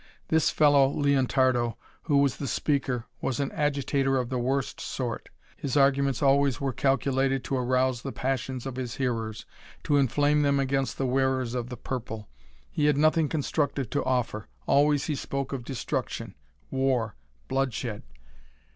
This fellow Leontardo, who was the speaker, was an agitator of the worst sort. His arguments always were calculated to arouse the passions of his hearers; to inflame them against the wearers of the purple. He had nothing constructive to offer. Always he spoke of destruction; war; bloodshed.